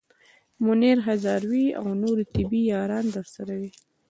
منیر هزاروی او نورې طبې یاران درسره وي.